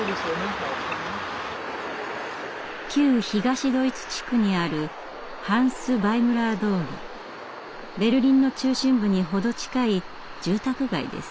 旧東ドイツ地区にあるベルリンの中心部に程近い住宅街です。